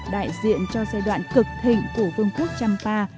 đại diện cho giai đoạn cực thỉnh của vương quốc trăm pa